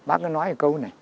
bác nói câu này